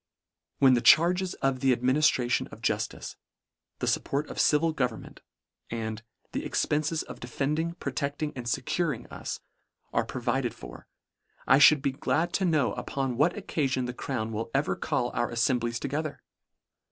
— When the " charges of the administration of juftice," —" the fupport of civil govern ment ;"— and " the expences of defending " protecting and fecuring" us, are provid ed for, I fhould be glad to know upon what occafion the crown will ever call our affem blies together.